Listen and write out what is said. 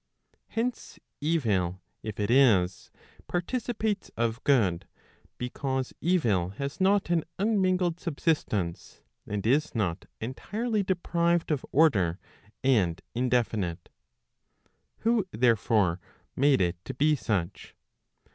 Hence evil if it is, participates of good; because evil has not an unmingled subsistence, and is not entirely deprived of order, and indefi¬ nite. Who therefore made it to be such?